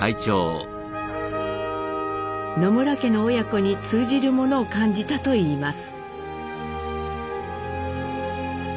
野村家の親子に通じるものを感じたといいます。